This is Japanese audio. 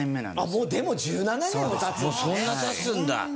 もうでも１７年も経つんだね！